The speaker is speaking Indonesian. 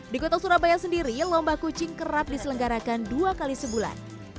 di kota surabaya sendiri lomba kucing kerap diselenggarakan dua kali sebulan